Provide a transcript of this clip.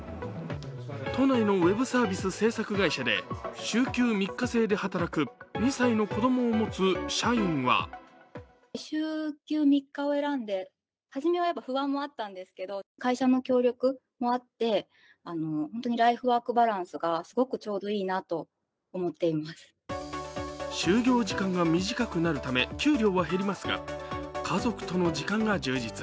都内のウェブサービス制作会社で週休３日制で働く２歳の子どもを持つ社員は就業時間が短くなるため給料は減りますが、家族との時間が充実。